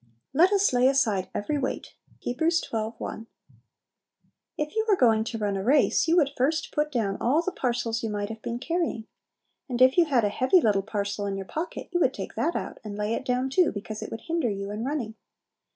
"Let us lay aside every weight." Heb. xii. 1. If you were going to run a race, you would first put down all the parcels you might have been carrying. And if you had a heavy little parcel in your pocket, you would take that out, and lay it down too, because it would hinder you in running.